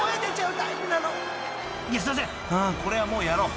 ［これはもうやろう。